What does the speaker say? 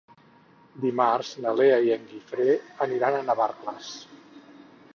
Dimarts na Lea i en Guifré aniran a Navarcles.